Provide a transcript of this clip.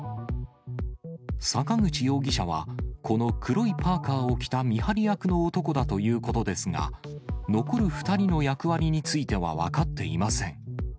坂口容疑者は、この黒いパーカーを着た見張り役の男だということですが、残る２人の役割については分かっていません。